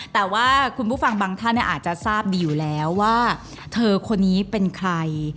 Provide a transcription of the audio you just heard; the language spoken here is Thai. แต่ว่าคุณผู้ฟังบางท่านอาจจะทราบดีอยู่แล้วว่าเธอคนนี้เป็นใคร